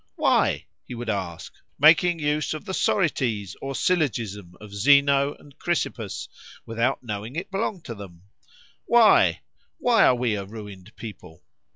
Why? he would ask, making use of the sorites or syllogism of Zeno and Chrysippus, without knowing it belonged to them.—Why? why are we a ruined people?